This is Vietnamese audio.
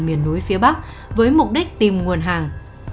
miền núi phía bắc với mục đích tìm nguồn hàng